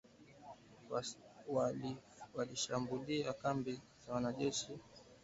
Walishambulia kambi za jeshi la FARDC za Tchanzu na Runyonyi, usiku wa tarehe ishirini na saba na ishirini na nane mwezi Machi